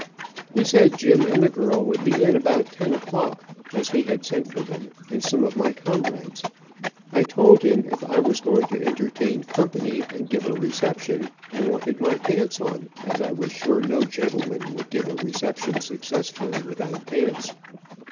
He said Jim and the girl would be in about 10 o clock, as he had sent for them, and some of my comrades. I told him if I was going to entertain company, and give a reception, I wanted my pants on, as I was sure no gentleman could give a reception successfully without pants.